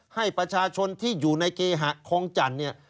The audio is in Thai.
ให้ประชาชนที่อยู่ในเกหะคลองจันทร์เนี่ย